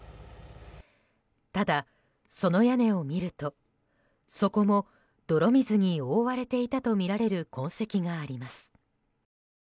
ただ、その屋根を見るとそこも泥水に覆われていたとみられる痕跡があります。